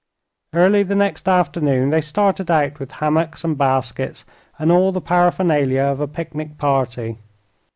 Early the next afternoon they started out with hammocks and baskets and all the paraphernalia of a picnic party.